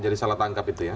menjadi salah tangkap itu ya